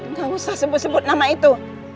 nggak usah sebut sebut nama itu